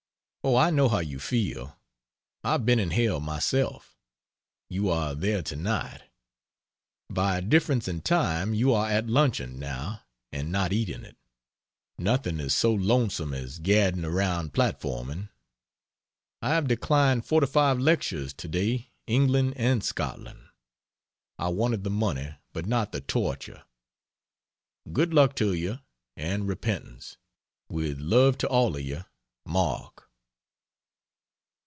Oh, I know how you feel! I've been in hell myself. You are there tonight. By difference in time you are at luncheon, now and not eating it. Nothing is so lonesome as gadding around platforming. I have declined 45 lectures to day England and Scotland. I wanted the money, but not the torture: Good luck to you! and repentance. With love to all of you MARK.